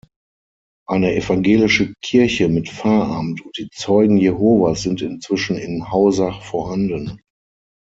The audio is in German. Eine evangelische Kirche mit Pfarramt und die Zeugen Jehovas sind inzwischen in Hausach vorhanden.